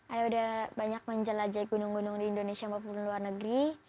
ayah udah banyak menjelajahi gunung gunung di indonesia maupun di luar negeri